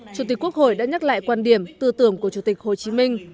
chủ tịch quốc hội đã nhắc lại quan điểm tư tưởng của chủ tịch hồ chí minh